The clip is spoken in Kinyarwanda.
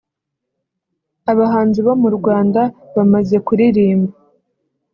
Abahanzi bo mu Rwanda bamaze kuririmba